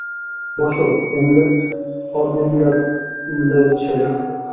বসো, অ্যামলেথ- অরভান্দিলের ছেলে।